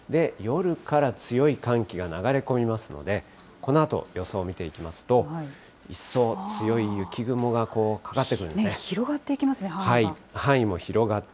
夜から強い寒気が流れ込みますので、このあと予想見ていきますと、一層強い雪雲がかかってくるんで広がっていきますね、範囲が。